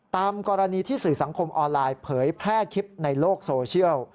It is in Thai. ตามกรณีที่สื่อสังคมออนไลน์เผยแพร่คลิปในโลกโซเชียล